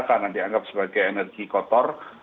karena dianggap sebagai energi kotor